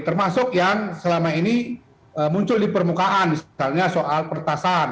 termasuk yang selama ini muncul di permukaan misalnya soal pertasan